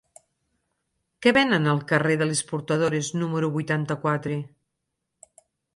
Què venen al carrer de les Portadores número vuitanta-quatre?